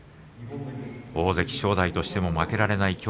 大関正代としても負けられない